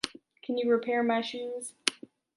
Can you repair my shoes?